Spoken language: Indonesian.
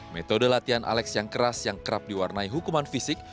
metode latihan alex yang keras yang kerap diwarnai hukuman fisik